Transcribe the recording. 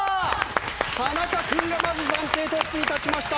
田仲君がまず暫定トップに立ちました。